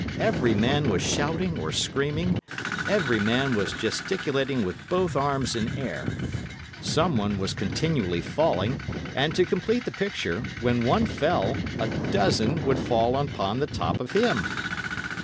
Every man was shouting or screaming; every man was gesticulating with both arms in air; some one was continually falling; and to complete the picture, when one fell, a dozen would fall upon the top of him.